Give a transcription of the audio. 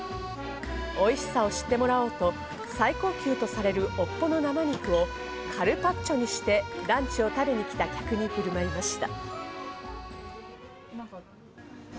おいしさを知ってもらおうと最高級とされる尾っぽの生肉をカルパッチョにしてランチを食べに来た客に振る舞いました。